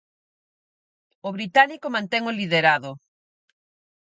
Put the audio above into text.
O británico mantén o liderado.